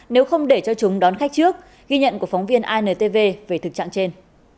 nếu không để cho chúng đón khách trước ghi nhận của phóng viên intv về thực trạng trên